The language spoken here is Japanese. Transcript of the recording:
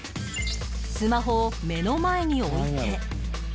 スマホを目の前に置いて